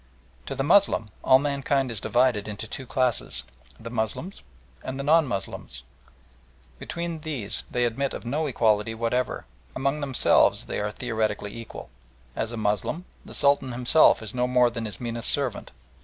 To the Moslem all mankind is divided into two classes the Moslems and the non Moslems. Between these they admit of no equality whatever. Among themselves they are theoretically equal. As a Moslem the Sultan himself is no more than his meanest servant.